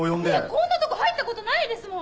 こんなとこ入ったことないですもん！